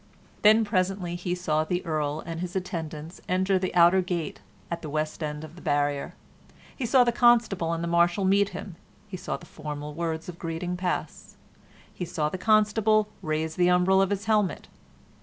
Then presently he saw the Earl and his attendants enter the outer gate at the west end of the barrier; he saw the Constable and Marshal meet him; he saw the formal words of greeting pass; he saw the Constable raise the umbril of the helmet.